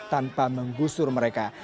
tanpa menggusur mereka